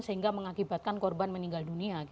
sehingga mengakibatkan korban meninggal dunia